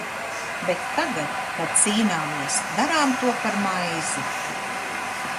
Bet tagad, kad cīnāmies, darām to par maizi!